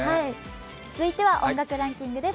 続いては音楽ランキングです。